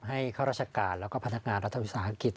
ให้ข้าราชการและก็พันธกาลรัฐวิทยาศาสตร์อังกฤษ